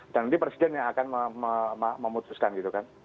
dan nanti presiden yang akan memutuskan gitu kan